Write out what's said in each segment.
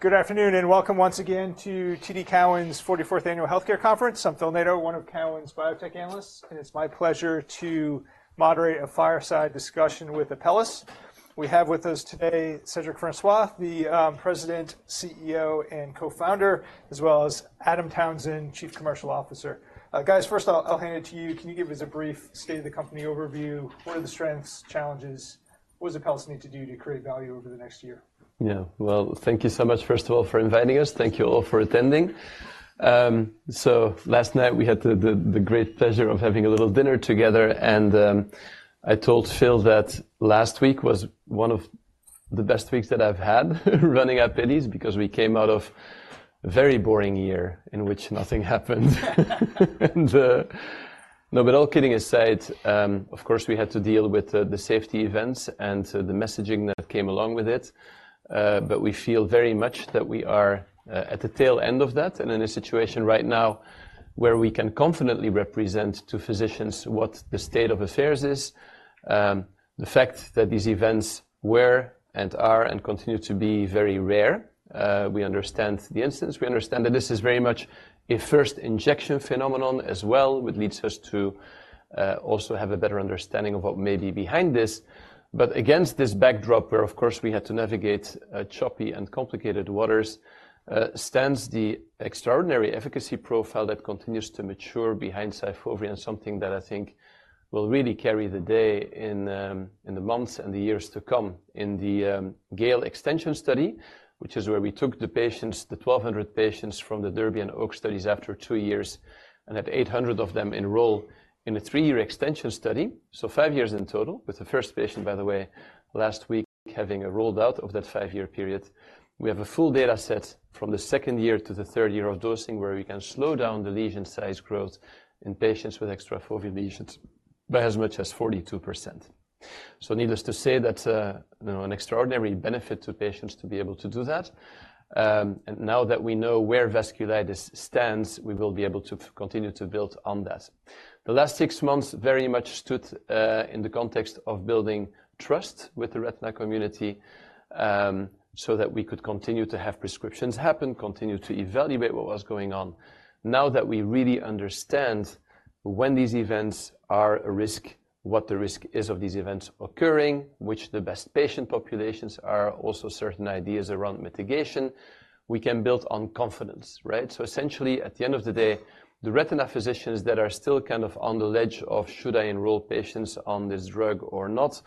Good afternoon, and welcome once again to TD Cowen's 44th Annual Healthcare Conference. I'm Phil Nadeau, one of Cowen's biotech analysts, and it's my pleasure to moderate a fireside discussion with Apellis. We have with us today, Cedric Francois, the President, CEO, and Co-Founder, as well as Adam Townsend, Chief Commercial Officer. Guys, first off, I'll hand it to you. Can you give us a brief state-of-the-company overview? What are the strengths, challenges? What does Apellis need to do to create value over the next year? Yeah. Well, thank you so much, first of all, for inviting us. Thank you all for attending. So last night, we had the great pleasure of having a little dinner together, and I told Phil that last week was one of the best weeks that I've had running Apellis because we came out of a very boring year in which nothing happened. And no, but all kidding aside, of course, we had to deal with the safety events and the messaging that came along with it. But we feel very much that we are at the tail end of that and in a situation right now where we can confidently represent to physicians what the state of affairs is. The fact that these events were, and are, and continue to be very rare, we understand the incidence. We understand that this is very much a first injection phenomenon as well, which leads us to also have a better understanding of what may be behind this. But against this backdrop, where, of course, we had to navigate choppy and complicated waters stands the extraordinary efficacy profile that continues to mature behind SYFOVRE and something that I think will really carry the day in the months and the years to come. In the GALE extension study, which is where we took the patients, the 1,200 patients from the DERBY and OAKS studies after 2 years, and had 800 of them enroll in a 3-year extension study, so 5 years in total, with the first patient, by the way, last week, having rolled out of that 5-year period. We have a full data set from the second year to the third year of dosing, where we can slow down the lesion size growth in patients with extrafoveal lesions by as much as 42%. So needless to say, that's a, you know, an extraordinary benefit to patients to be able to do that. And now that we know where vasculitis stands, we will be able to continue to build on that. The last six months very much stood in the context of building trust with the retina community, so that we could continue to have prescriptions happen, continue to evaluate what was going on. Now that we really understand when these events are a risk, what the risk is of these events occurring, which the best patient populations are, also certain ideas around mitigation, we can build on confidence, right? So essentially, at the end of the day, the retina physicians that are still kind of on the ledge of, "Should I enroll patients on this drug or not?"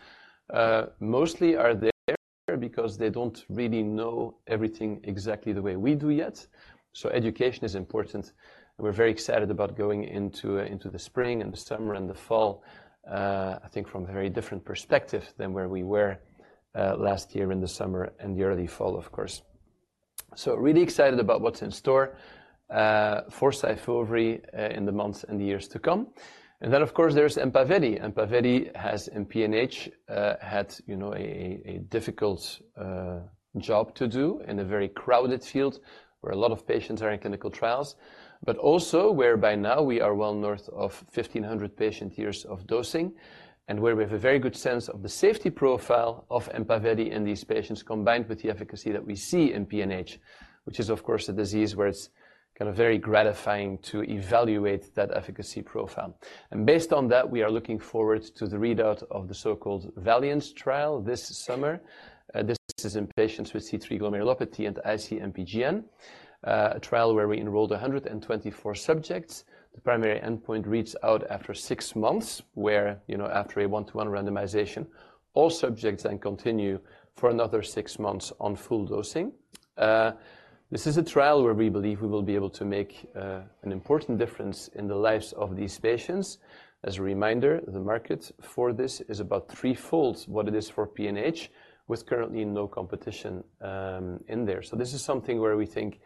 Mostly are there because they don't really know everything exactly the way we do yet. So education is important, and we're very excited about going into the spring and the summer and the fall, I think from a very different perspective than where we were last year in the summer and the early fall, of course. So really excited about what's in store for SYFOVRE in the months and years to come. And then, of course, there's EMPAVELI. EMPAVELI has in PNH had, you know, a difficult job to do in a very crowded field where a lot of patients are in clinical trials, but also where by now we are well north of 1,500 patient-years of dosing, and where we have a very good sense of the safety profile of EMPAVELI in these patients, combined with the efficacy that we see in PNH, which is, of course, a disease where it's kind of very gratifying to evaluate that efficacy profile. Based on that, we are looking forward to the readout of the so-called VALIANT trial this summer. This is in patients with C3 glomerulopathy and IC-MPGN, a trial where we enrolled 124 subjects. The primary endpoint reads out after six months, where, you know, after a 1:1 randomization, all subjects then continue for another six months on full dosing. This is a trial where we believe we will be able to make an important difference in the lives of these patients. As a reminder, the market for this is about threefold what it is for PNH, with currently no competition in there. So this is something where we think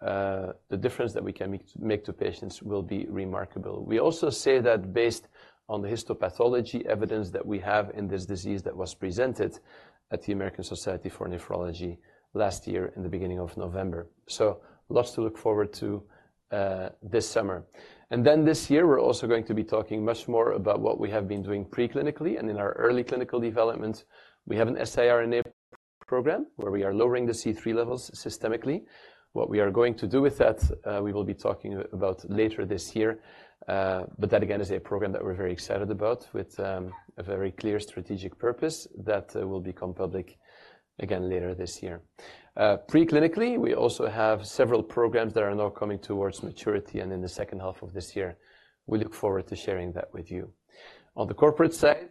the difference that we can make to patients will be remarkable. We also say that based on the histopathology evidence that we have in this disease that was presented at the American Society of Nephrology last year in the beginning of November. So lots to look forward to this summer. Then this year, we're also going to be talking much more about what we have been doing pre-clinically and in our early clinical development. We have an siRNA program, where we are lowering the C3 levels systemically. What we are going to do with that, we will be talking about later this year. But that, again, is a program that we're very excited about, with a very clear strategic purpose that will become public again later this year. Pre-clinically, we also have several programs that are now coming towards maturity and in the second half of this year. We look forward to sharing that with you. On the corporate side,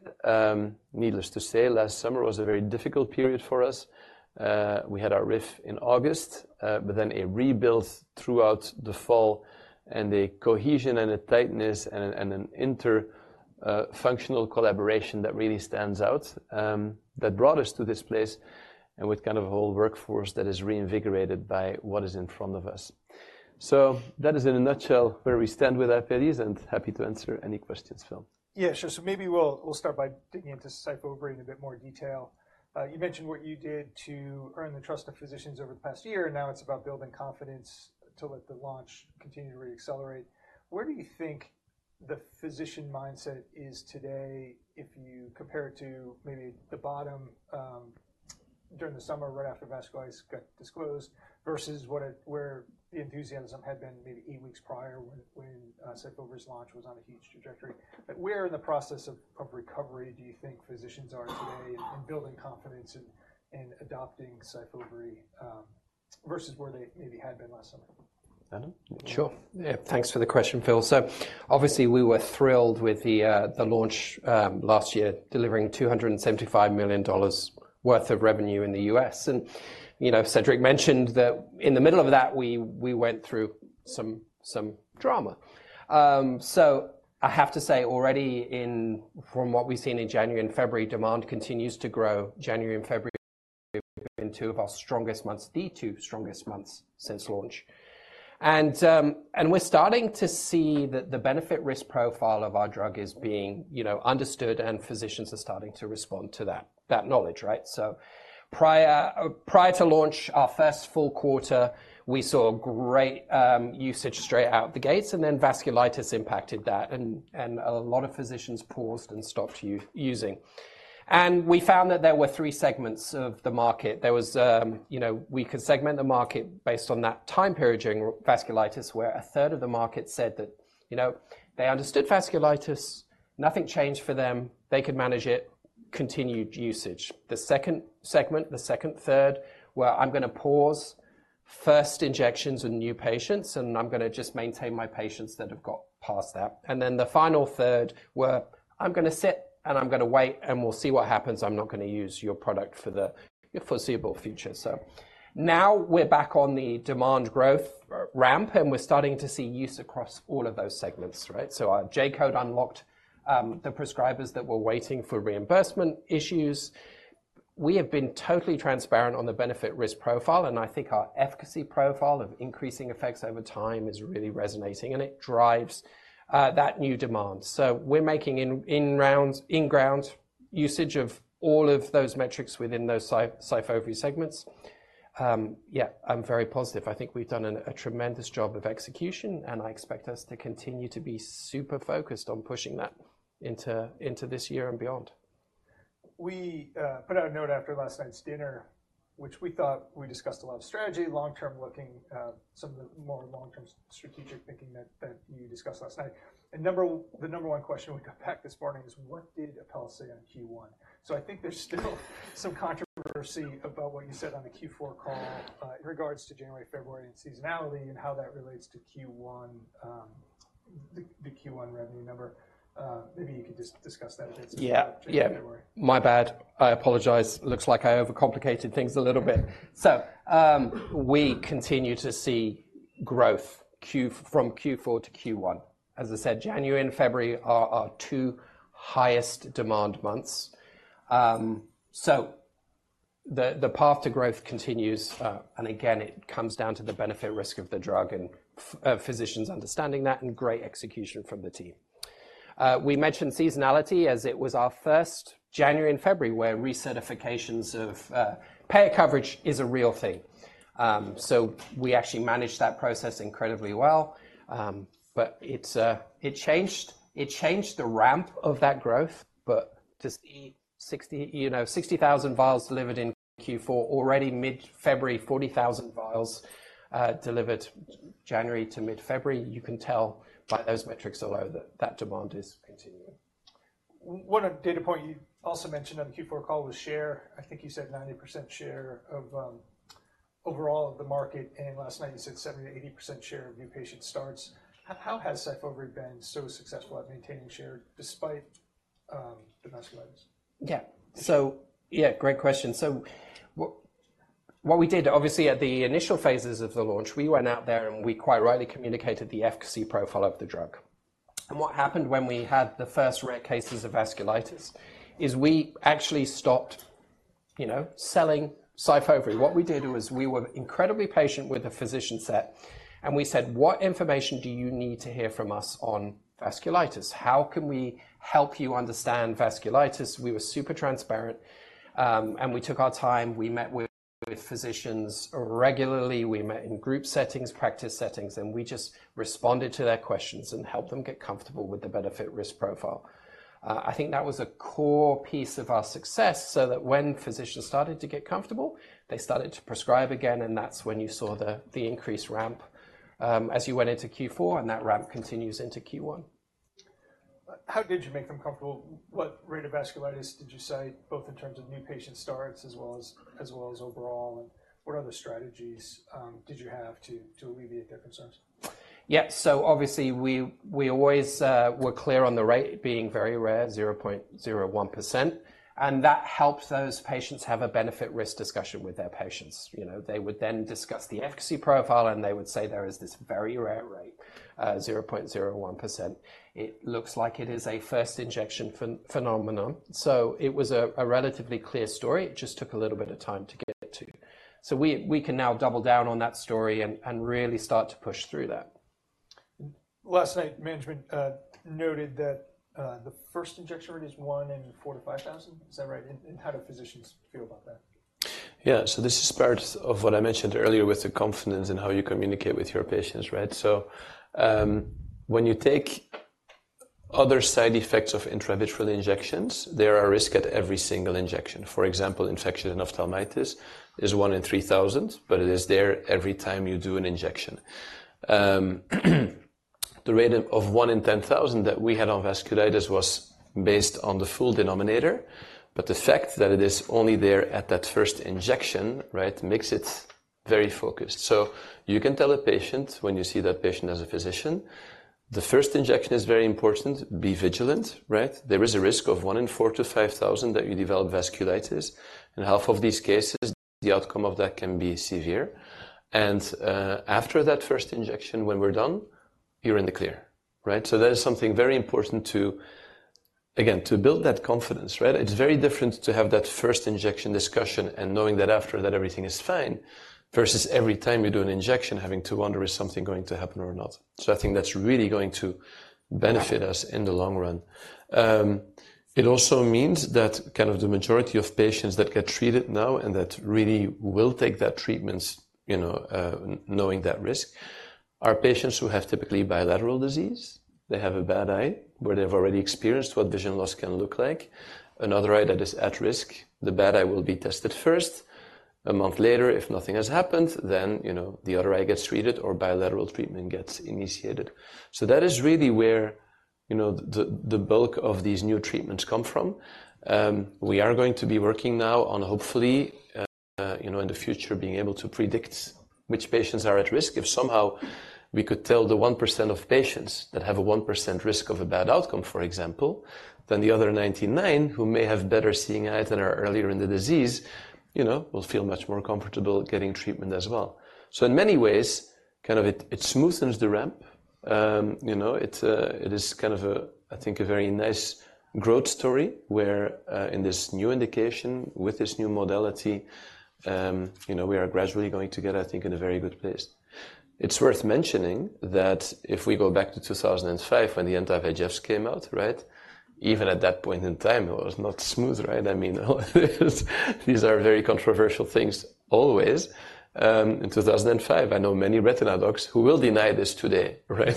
needless to say, last summer was a very difficult period for us. We had our RIF in August, but then a rebuild throughout the fall and a cohesion and a tightness and an inter-functional collaboration that really stands out, that brought us to this place, and with kind of a whole workforce that is reinvigorated by what is in front of us. So that is, in a nutshell, where we stand with Apellis, and happy to answer any questions, Phil. Yeah, sure. So maybe we'll start by digging into SYFOVRE in a bit more detail. You mentioned what you did to earn the trust of physicians over the past year, and now it's about building confidence to let the launch continue to reaccelerate. Where do you think the physician mindset is today, if you compare it to maybe the bottom during the summer, right after vasculitis got disclosed, versus where the enthusiasm had been maybe 8 weeks prior, when SYFOVRE's launch was on a huge trajectory. But where in the process of recovery do you think physicians are today in building confidence in adopting SYFOVRE, versus where they maybe had been last summer? Adam? Sure. Yeah, thanks for the question, Phil. So obviously, we were thrilled with the launch last year, delivering $275 million worth of revenue in the US. And, you know, Cedric mentioned that in the middle of that, we went through some drama. So I have to say, from what we've seen in January and February, demand continues to grow. January and February have been two of our strongest months, the two strongest months since launch. And we're starting to see that the benefit risk profile of our drug is being, you know, understood, and physicians are starting to respond to that knowledge, right? So prior to launch, our first full quarter, we saw great usage straight out the gates, and then vasculitis impacted that, and a lot of physicians paused and stopped using. We found that there were three segments of the market. You know, we could segment the market based on that time period during vasculitis, where a third of the market said that, you know, they understood vasculitis, nothing changed for them, they could manage it, continued usage. The second segment, the second third, where I'm going to pause first injections in new patients, and I'm going to just maintain my patients that have got past that. Then the final third, where I'm going to sit, and I'm going to wait, and we'll see what happens. I'm not going to use your product for the foreseeable future. So now we're back on the demand growth ramp, and we're starting to see use across all of those segments, right? So our J-code unlocked the prescribers that were waiting for reimbursement issues. We have been totally transparent on the benefit risk profile, and I think our efficacy profile of increasing effects over time is really resonating, and it drives that new demand. So we're making inroads in ground usage of all of those metrics within those SYFOVRE segments. Yeah, I'm very positive. I think we've done a tremendous job of execution, and I expect us to continue to be super focused on pushing that into this year and beyond. We put out a note after last night's dinner, which we thought we discussed a lot of strategy, long-term looking, some of the more long-term strategic thinking that you discussed last night. The number one question we got back this morning is: What did Apellis say on Q1? So I think there's still some controversy about what you said on the Q4 call, in regards to January, February, and seasonality, and how that relates to Q1, the Q1 revenue number. Maybe you could just discuss that a bit. Yeah. Yeah. My bad. I apologize. Looks like I overcomplicated things a little bit. So, we continue to see growth from Q4 to Q1. As I said, January and February are our two highest demand months. So the path to growth continues, and again, it comes down to the benefit risk of the drug and physicians understanding that, and great execution from the team. We mentioned seasonality as it was our first January and February, where recertifications of payer coverage is a real thing. So we actually managed that process incredibly well. But it's, it changed the ramp of that growth, but to see 60,000, you know, 60,000 vials delivered in Q4, already mid-February, 40,000 vials delivered January to mid-February. You can tell by those metrics alone that that demand is continuing. One data point you also mentioned on the Q4 call was share. I think you said 90% share of overall of the market, and last night you said 70%-80% share of new patient starts. How has SYFOVRE been so successful at maintaining share despite the vasculitis? Yeah. So, yeah, great question. So what, what we did, obviously, at the initial phases of the launch, we went out there, and we quite rightly communicated the efficacy profile of the drug. And what happened when we had the first rare cases of vasculitis is we actually stopped, you know, selling SYFOVRE. What we did was we were incredibly patient with the physician set, and we said: What information do you need to hear from us on vasculitis? How can we help you understand vasculitis? We were super transparent, and we took our time. We met with, with physicians regularly. We met in group settings, practice settings, and we just responded to their questions and helped them get comfortable with the benefit-risk profile. I think that was a core piece of our success, so that when physicians started to get comfortable, they started to prescribe again, and that's when you saw the increased ramp, as you went into Q4, and that ramp continues into Q1. How did you make them comfortable? What rate of vasculitis did you cite, both in terms of new patient starts as well as overall, and what other strategies did you have to alleviate their concerns? Yeah. So obviously, we always were clear on the rate being very rare, 0.01%, and that helps those patients have a benefit-risk discussion with their patients. You know, they would then discuss the efficacy profile, and they would say there is this very rare rate, 0.01%. It looks like it is a first injection phenomenon. So it was a relatively clear story. It just took a little bit of time to get to. So we can now double down on that story and really start to push through that. Last night, management noted that the first injection rate is 1 in 4,000-5,000. Is that right? And how do physicians feel about that? Yeah. So this is part of what I mentioned earlier, with the confidence in how you communicate with your patients, right? So, when you take- Other side effects of intravitreal injections, there are risk at every single injection. For example, infection and uveitis is 1 in 3,000, but it is there every time you do an injection. The rate of 1 in 10,000 that we had on vasculitis was based on the full denominator, but the fact that it is only there at that first injection, right, makes it very focused. So you can tell a patient, when you see that patient as a physician, the first injection is very important. Be vigilant, right? There is a risk of 1 in 4,000-5,000 that you develop vasculitis, and half of these cases, the outcome of that can be severe. And after that first injection, when we're done, you're in the clear, right? So that is something very important to, again, to build that confidence, right? It's very different to have that first injection discussion and knowing that after that, everything is fine, versus every time you do an injection, having to wonder, is something going to happen or not? So I think that's really going to benefit us in the long run. It also means that kind of the majority of patients that get treated now and that really will take that treatments, you know, knowing that risk, are patients who have typically bilateral disease. They have a bad eye, where they've already experienced what vision loss can look like. Another eye that is at risk, the bad eye will be tested first. A month later, if nothing has happened, then, you know, the other eye gets treated or bilateral treatment gets initiated. So that is really where, you know, the bulk of these new treatments come from. We are going to be working now on hopefully, you know, in the future, being able to predict which patients are at risk. If somehow we could tell the 1% of patients that have a 1% risk of a bad outcome, for example, then the other 99, who may have better seeing eye than are earlier in the disease, you know, will feel much more comfortable getting treatment as well. So in many ways, kind of it, it smoothens the ramp. You know, it's, it is kind of a, I think, a very nice growth story, where, in this new indication, with this new modality, you know, we are gradually going to get, I think, in a very good place. It's worth mentioning that if we go back to 2005, when the anti-VEGFs came out, right? Even at that point in time, it was not smooth, right? I mean, these are very controversial things always. In 2005, I know many retina docs who will deny this today, right?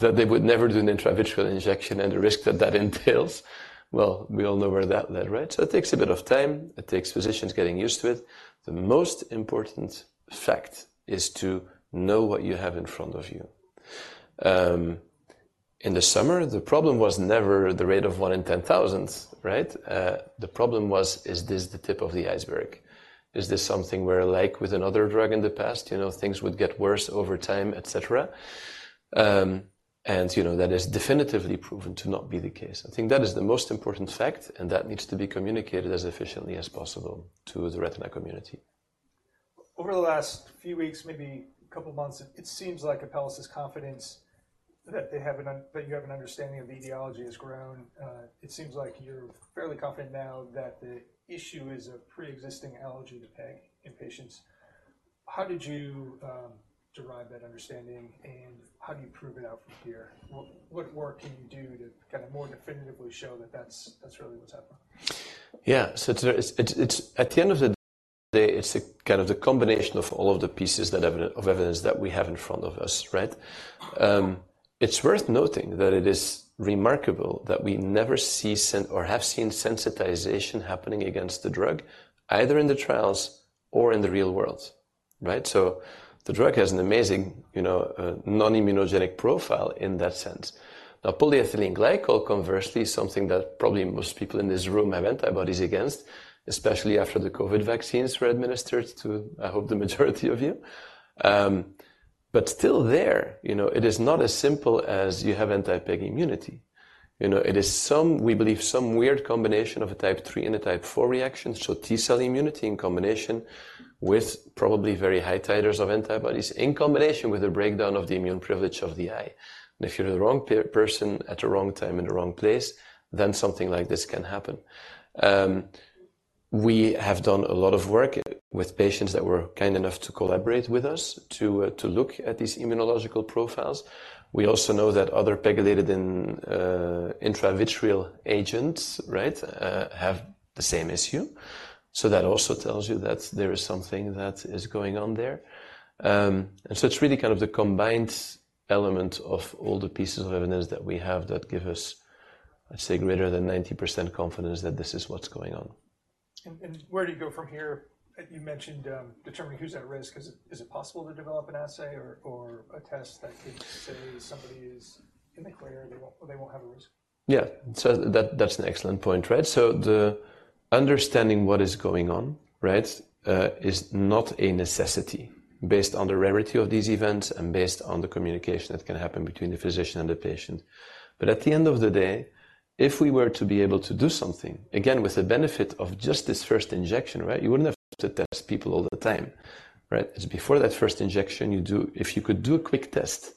That they would never do an intravitreal injection and the risk that that entails. Well, we all know where that led, right? So it takes a bit of time, it takes physicians getting used to it. The most important fact is to know what you have in front of you. In the summer, the problem was never the rate of 1 in 10,000, right? The problem was: Is this the tip of the iceberg? Is this something where, like with another drug in the past, you know, things would get worse over time, et cetera? And, you know, that is definitively proven to not be the case. I think that is the most important fact, and that needs to be communicated as efficiently as possible to the retina community. Over the last few weeks, maybe a couple of months, it seems like Apellis' confidence that they have that you have an understanding of the etiology has grown. It seems like you're fairly confident now that the issue is a pre-existing allergy to PEG in patients. How did you derive that understanding, and how do you prove it out from here? What, what work can you do to kind of more definitively show that that's, that's really what's happening? Yeah. So it's at the end of the day, it's a kind of the combination of all of the pieces, of evidence that we have in front of us, right? It's worth noting that it is remarkable that we never see or have seen sensitization happening against the drug, either in the trials or in the real world, right? So the drug has an amazing, you know, non-immunogenic profile in that sense. Now, polyethylene glycol, conversely, is something that probably most people in this room have antibodies against, especially after the COVID vaccines were administered to, I hope the majority of you. But still there, you know, it is not as simple as you have anti-PEG immunity. You know, it is, we believe, some weird combination of a Type III and a Type IV reaction, so T cell immunity in combination with probably very high titers of antibodies, in combination with a breakdown of the immune privilege of the eye. If you're the wrong person at the wrong time, in the wrong place, then something like this can happen. We have done a lot of work with patients that were kind enough to collaborate with us to look at these immunological profiles. We also know that other PEGylated intravitreal agents have the same issue. That also tells you that there is something that is going on there. And so it's really kind of the combined element of all the pieces of evidence that we have that give us, I'd say, greater than 90% confidence that this is what's going on. Where do you go from here? You mentioned determining who's at risk. Is it possible to develop an assay or a test that could say somebody is in the clear and they won't have a risk? Yeah. So that, that's an excellent point, right? So the understanding what is going on, right, is not a necessity based on the rarity of these events and based on the communication that can happen between the physician and the patient. But at the end of the day, if we were to be able to do something, again, with the benefit of just this first injection, right? You wouldn't have to test people all the time, right? It's before that first injection you do—if you could do a quick test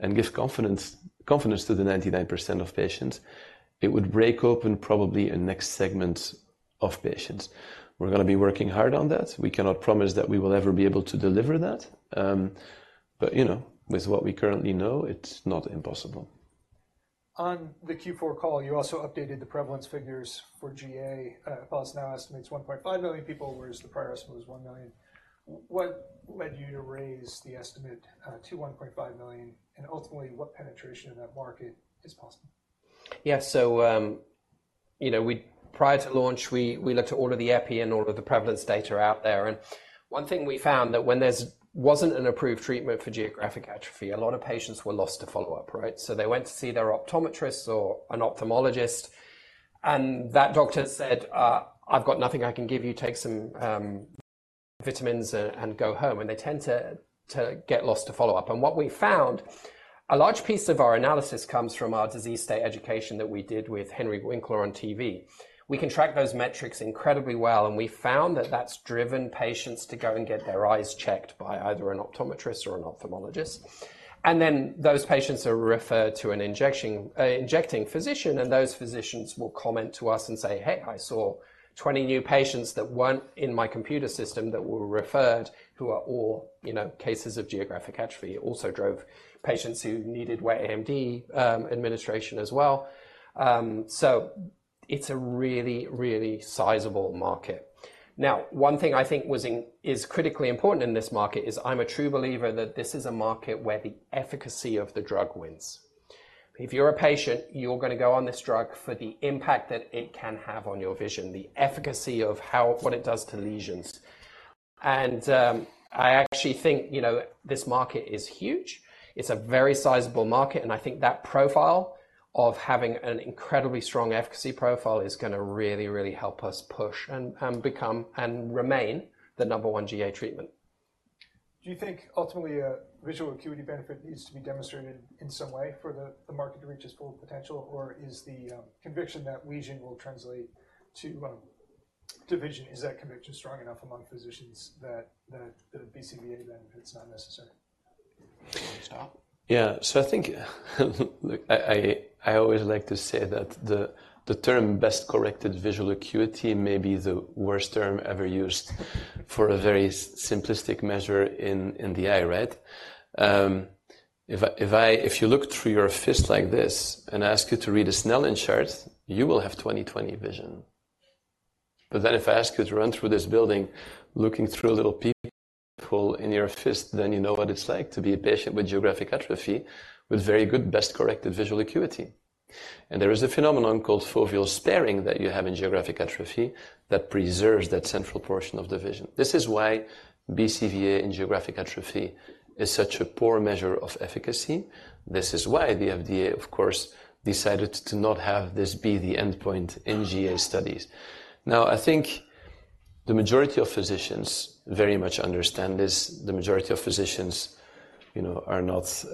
and give confidence, confidence to the 99% of patients, it would break open probably a next segment of patients. We're gonna be working hard on that. We cannot promise that we will ever be able to deliver that. But, you know, with what we currently know, it's not impossible. On the Q4 call, you also updated the prevalence figures for GA. Apellis now estimates 1.5 million people, whereas the prior estimate was 1 million. What led you to raise the estimate to 1.5 million? And ultimately, what penetration in that market is possible? Yeah. So, you know, we prior to launch, we looked at all of the epi and all of the prevalence data out there, and one thing we found that when there wasn't an approved treatment for geographic atrophy, a lot of patients were lost to follow-up, right? So they went to see their optometrists or an ophthalmologist, and that doctor said, "I've got nothing I can give you. Take some vitamins and go home." And they tend to get lost to follow-up. And what we found, a large piece of our analysis comes from our disease state education that we did with Henry Winkler on TV. We can track those metrics incredibly well, and we found that that's driven patients to go and get their eyes checked by either an optometrist or an ophthalmologist. And then those patients are referred to an injection, injecting physician, and those physicians will comment to us and say, "Hey, I saw 20 new patients that weren't in my computer system that were referred, who are all, you know, cases of geographic atrophy." It also drove patients who needed wet AMD, administration as well. So it's a really, really sizable market. Now, one thing I think is critically important in this market is I'm a true believer that this is a market where the efficacy of the drug wins. If you're a patient, you're gonna go on this drug for the impact that it can have on your vision, the efficacy of how-- what it does to lesions. And, I actually think, you know, this market is huge. It's a very sizable market, and I think that profile of having an incredibly strong efficacy profile is gonna really, really help us push and become and remain the number one GA treatment. Do you think ultimately, a visual acuity benefit needs to be demonstrated in some way for the market to reach its full potential? Or is the conviction that lesion will translate to vision, is that conviction strong enough among physicians that the BCVA benefit is not necessary? You want to start? Yeah. So I think, look, I always like to say that the term best-corrected visual acuity may be the worst term ever used for a very simplistic measure in the eye, right? If you look through your fist like this and ask you to read a Snellen chart, you will have 20/20 vision. But then if I ask you to run through this building looking through a little peephole in your fist, then you know what it's like to be a patient with geographic atrophy, with very good best-corrected visual acuity. And there is a phenomenon called foveal sparing that you have in geographic atrophy that preserves that central portion of the vision. This is why BCVA in geographic atrophy is such a poor measure of efficacy. This is why the FDA, of course, decided to not have this be the endpoint in GA studies. Now, I think the majority of physicians very much understand this. The majority of physicians, you know, are not,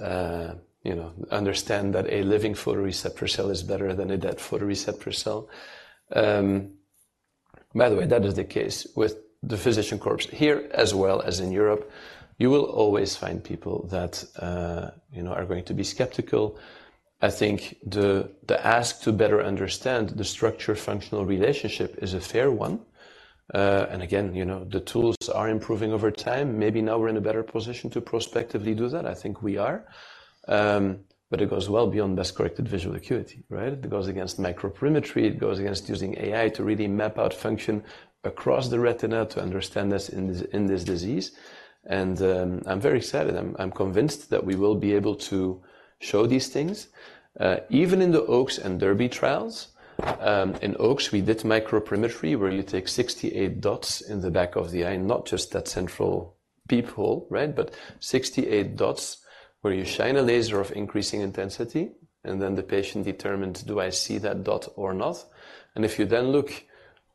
you know, understand that a living photoreceptor cell is better than a dead photoreceptor cell. By the way, that is the case with the physician corps here as well as in Europe. You will always find people that, you know, are going to be skeptical. I think the ask to better understand the structure-functional relationship is a fair one. And again, you know, the tools are improving over time. Maybe now we're in a better position to prospectively do that. I think we are. But it goes well beyond best-corrected visual acuity, right? It goes against microperimetry. It goes against using AI to really map out function across the retina to understand this in this, in this disease. I'm very excited. I'm convinced that we will be able to show these things. Even in the OAKS and DERBY trials, in OAKS, we did microperimetry, where you take 68 dots in the back of the eye, not just that central peephole, right? But 68 dots, where you shine a laser of increasing intensity, and then the patient determines, "Do I see that dot or not?" And if you then look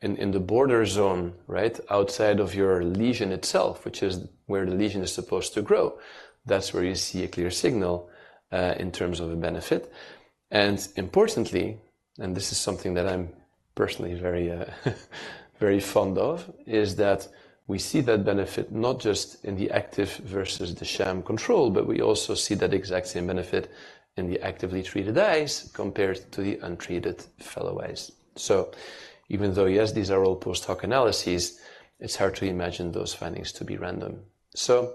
in the border zone, right, outside of your lesion itself, which is where the lesion is supposed to grow, that's where you see a clear signal in terms of a benefit. Importantly, and this is something that I'm personally very, very fond of, is that we see that benefit not just in the active versus the sham control, but we also see that exact same benefit in the actively treated eyes compared to the untreated fellow eyes. So even though, yes, these are all post-hoc analyses, it's hard to imagine those findings to be random. So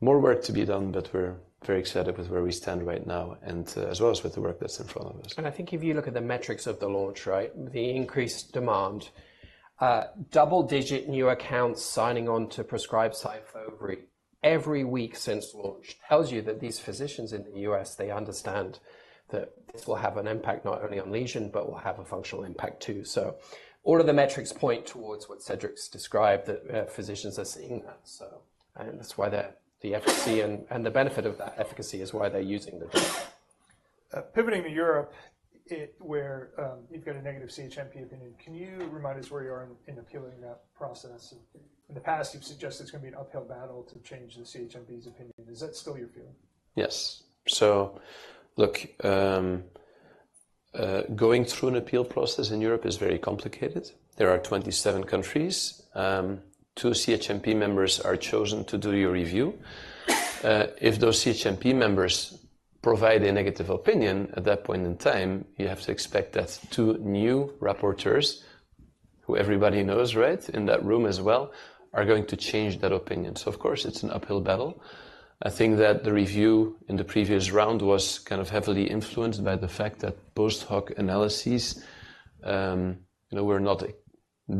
more work to be done, but we're very excited with where we stand right now and as well as with the work that's in front of us. I think if you look at the metrics of the launch, right, the increased demand, double-digit new accounts signing on to prescribe SYFOVRE every week since launch, tells you that these physicians in the U.S., they understand that this will have an impact, not only on lesion, but will have a functional impact, too. So all of the metrics point towards what Cedric's described, that, physicians are seeing that. And that's why the, the efficacy and, and the benefit of that efficacy is why they're using the drug. Pivoting to Europe, where you've got a negative CHMP opinion, can you remind us where you are in appealing that process? In the past, you've suggested it's gonna be an uphill battle to change the CHMP's opinion. Is that still your view? Yes. So look, going through an appeal process in Europe is very complicated. There are 27 countries. Two CHMP members are chosen to do your review. If those CHMP members provide a negative opinion at that point in time, you have to expect that two new rapporteurs, who everybody knows, right, in that room as well, are going to change that opinion. So of course, it's an uphill battle. I think that the review in the previous round was kind of heavily influenced by the fact that post-hoc analyses, you know, were not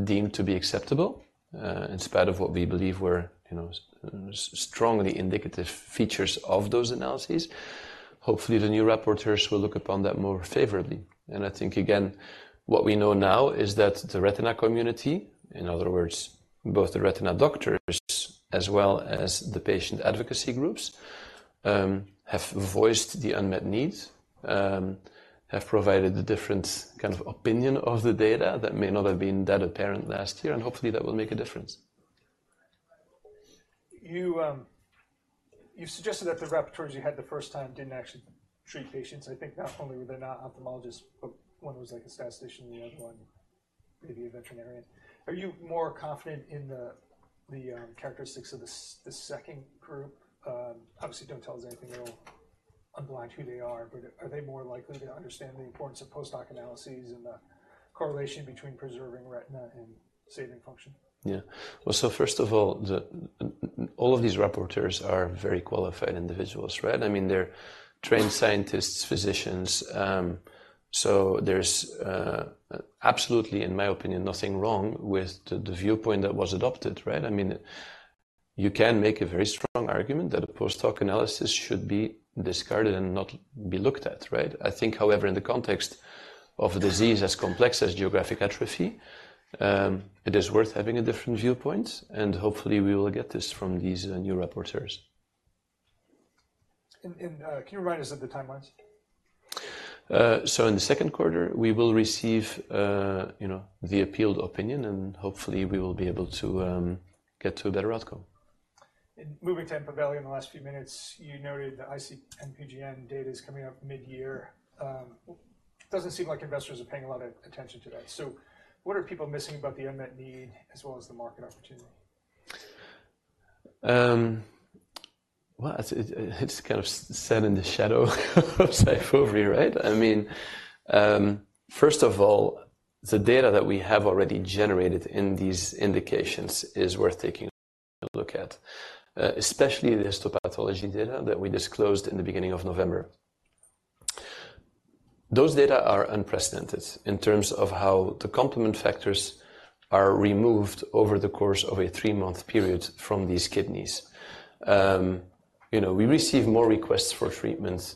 deemed to be acceptable, in spite of what we believe were, you know, strongly indicative features of those analyses. Hopefully, the new rapporteurs will look upon that more favorably. I think, again, what we know now is that the retina community, in other words, both the retina doctors as well as the patient advocacy groups, have voiced the unmet needs, have provided a different kind of opinion of the data that may not have been that apparent last year, and hopefully, that will make a difference. You suggested that the rapporteurs you had the first time didn't actually treat patients. I think not only were they not ophthalmologists, but one was like a statistician, the other one maybe a veterinarian. Are you more confident in the characteristics of the second group? Obviously, don't tell us anything that will unblind who they are, but are they more likely to understand the importance of post-hoc analyses and the correlation between preserving retina and saving function? Yeah. Well, so first of all, the all of these rapporteurs are very qualified individuals, right? I mean, they're trained scientists, physicians, so there's absolutely, in my opinion, nothing wrong with the viewpoint that was adopted, right? I mean, you can make a very strong argument that a post-hoc analysis should be discarded and not be looked at, right? I think, however, in the context of a disease as complex as geographic atrophy, it is worth having a different viewpoint, and hopefully, we will get this from these new rapporteurs. Can you remind us of the timelines? In the second quarter, we will receive, you know, the appealed opinion, and hopefully, we will be able to get to a better outcome. Moving to EMPAVELI in the last few minutes, you noted the IC and PGN data is coming up mid-year. Doesn't seem like investors are paying a lot of attention to that. So what are people missing about the unmet need as well as the market opportunity? Well, it's kind of set in the shadow of SYFOVRE, right? I mean, first of all, the data that we have already generated in these indications is worth taking a look at, especially the histopathology data that we disclosed in the beginning of November. Those data are unprecedented in terms of how the complement factors are removed over the course of a three-month period from these kidneys. You know, we receive more requests for treatment,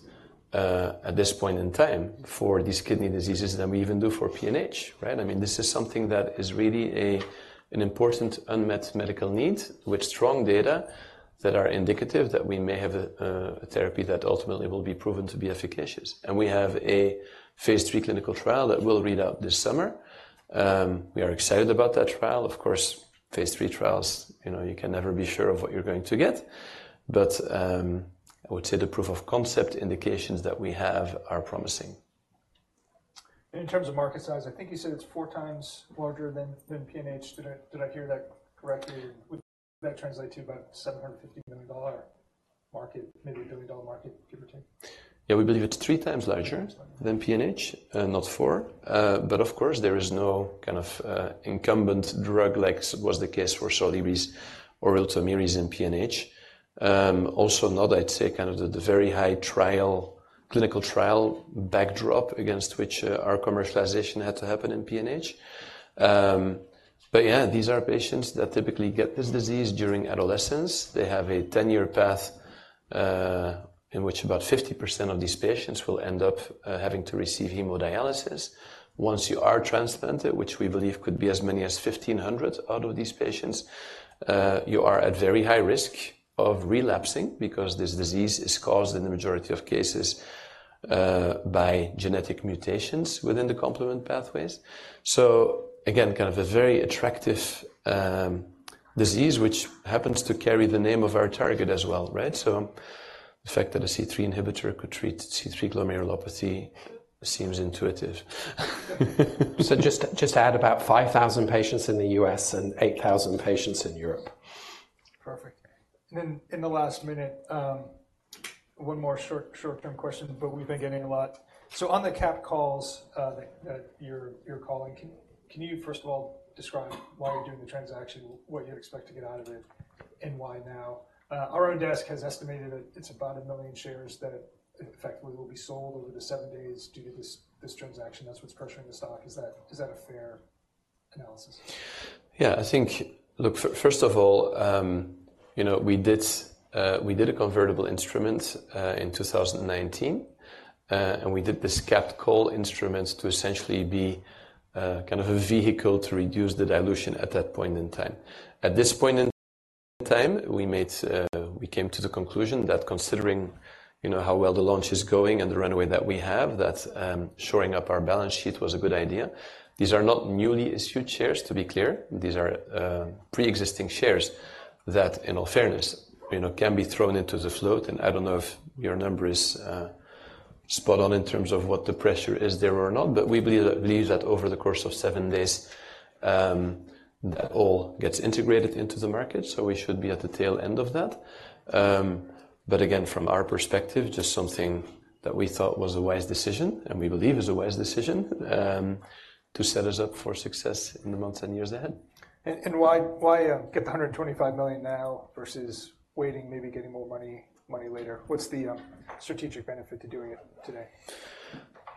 at this point in time for these kidney diseases than we even do for PNH, right? I mean, this is something that is really an important unmet medical need, with strong data that are indicative that we may have a therapy that ultimately will be proven to be efficacious. And we have a Phase 3 clinical trial that will read out this summer. We are excited about that trial. Of course, Phase III trials, you know, you can never be sure of what you're going to get, but, I would say the proof of concept indications that we have are promising. In terms of market size, I think you said it's four times larger than, than PNH. Did I, did I hear that correctly? Would that translate to about $750 million market, maybe a $1 billion market, give or take? Yeah, we believe it's three times larger- Three times larger. — than PNH, not four. But of course, there is no kind of incumbent drug like was the case for Soliris or Ultomiris in PNH. Also not, I'd say, kind of the very high trial, clinical trial backdrop against which our commercialization had to happen in PNH. But yeah, these are patients that typically get this disease during adolescence. They have a 10-year path in which about 50% of these patients will end up having to receive hemodialysis. Once you are transplanted, which we believe could be as many as 1,500 out of these patients, you are at very high risk of relapsing because this disease is caused, in the majority of cases, by genetic mutations within the complement pathways. So again, kind of a very attractive, disease, which happens to carry the name of our target as well, right? So the fact that a C3 inhibitor could treat C3 glomerulopathy seems intuitive. So just add about 5,000 patients in the U.S. and 8,000 patients in Europe. Perfect. Then in the last minute, one more short-term question, but we've been getting a lot. So on the capped calls that you're calling, can you first of all describe why you're doing the transaction, what you expect to get out of it, and why now? Our own desk has estimated that it's about 1 million shares that effectively will be sold over the 7 days due to this transaction. That's what's pressuring the stock. Is that a fair analysis? Yeah, I think. Look, first of all, you know, we did a convertible instrument in 2019, and we did this capped call instruments to essentially be kind of a vehicle to reduce the dilution at that point in time. At this point in time, we came to the conclusion that considering you know how well the launch is going and the runway that we have, shoring up our balance sheet was a good idea. These are not newly issued shares, to be clear. These are preexisting shares that, in all fairness, you know, can be thrown into the float, and I don't know if your number is spot on in terms of what the pressure is there or not, but we believe that over the course of seven days that all gets integrated into the market, so we should be at the tail end of that. But again, from our perspective, just something that we thought was a wise decision, and we believe is a wise decision, to set us up for success in the months and years ahead. Why get the $125 million now versus waiting, maybe getting more money later? What's the strategic benefit to doing it today?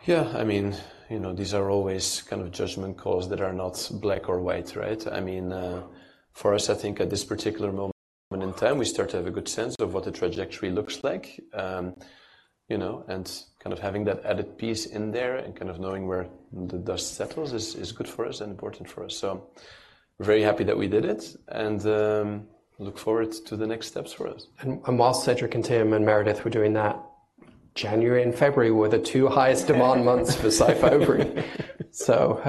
Yeah, I mean, you know, these are always kind of judgment calls that are not black or white, right? I mean, for us, I think at this particular moment in time, we start to have a good sense of what the trajectory looks like. You know, and kind of having that added piece in there and kind of knowing where the dust settles is, is good for us and important for us. So we're very happy that we did it, and look forward to the next steps for us. While Cedric and Tim and Meredith were doing that, January and February were the two highest demand months for SYFOVRE so-